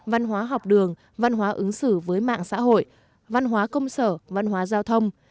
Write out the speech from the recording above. văn hóa học đường văn hóa ứng xử với mạng xã hội văn hóa công sở văn hóa giao thông